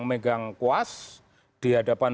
megang kuas di hadapan